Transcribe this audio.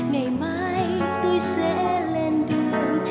ngày mai tôi sẽ lên đường